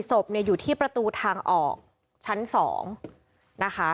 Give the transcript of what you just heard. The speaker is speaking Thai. ๔ศพอยู่ที่ประตูทางออกชั้น๒